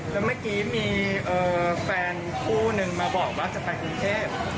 แล้วเมื่อกี้มีแฟนคู่นึงมาบอกว่าจะไปกรุงเทพ